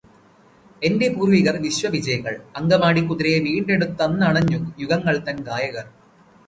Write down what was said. എന്റെ പൂർവികർ വിശ്വവിജയികൾ അങ്കമാടിക്കുതിരയെ വീണ്ടെടുത്തന്നണഞ്ഞു യുഗങ്ങൾതൻ ഗായകർ